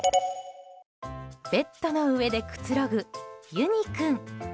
ベッドの上でくつろぐゆに君。